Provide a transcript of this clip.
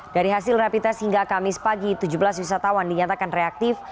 dari hasil rapid test hingga kamis pagi tujuh belas wisatawan dinyatakan reaktif